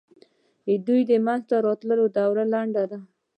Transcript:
د دوی د منځته راتلو دوره لنډه ده.